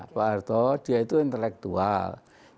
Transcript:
pak harto dia itu intelektual